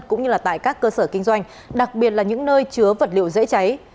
cũng như tại các cơ sở kinh doanh đặc biệt là những nơi chứa vật liệu dễ cháy